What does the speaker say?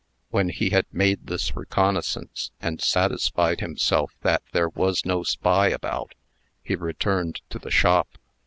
When he had made this reconnoissance, and satisfied himself that there was no spy about, he returned to the shop.